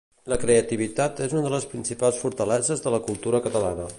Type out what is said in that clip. La creativitat és una de les principals fortaleses de la cultura catalana.